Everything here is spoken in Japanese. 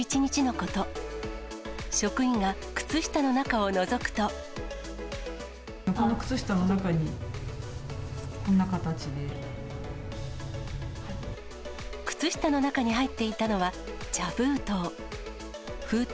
この靴下の中に、こんな形で。靴下の中に入っていたのは、茶封筒。